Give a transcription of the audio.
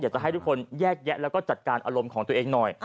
จะให้ทุกคนแยกแยะแล้วก็จัดการอารมณ์ของตัวเองหน่อย